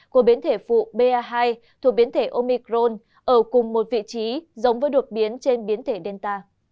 của biến thể phụ ba hai thuộc biến thể omicron ở cùng một vị trí giống với đột biến trên biến thể delta